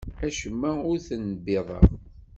Acemma ur t-nbiḍeɣ.